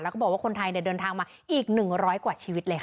แล้วก็บอกว่าคนไทยเดินทางมาอีก๑๐๐กว่าชีวิตเลยค่ะ